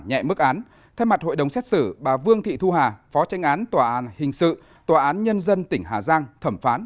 nhẹ mức án thay mặt hội đồng xét xử bà vương thị thu hà phó tranh án tòa án hình sự tòa án nhân dân tỉnh hà giang thẩm phán